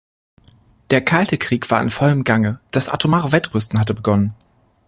Der Kalte Krieg war im vollen Gange, das atomare Wettrüsten hatte begonnen.